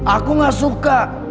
aku gak suka